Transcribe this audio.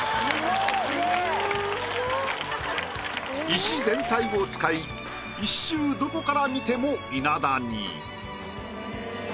石全体を使い一周どこから見ても稲田に。